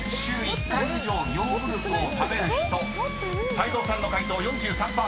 ［泰造さんの解答４３％］